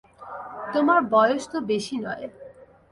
তোমার বয়স তো বেশি নয়।